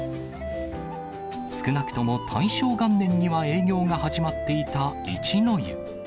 少なくとも大正元年には営業が始まっていた一の湯。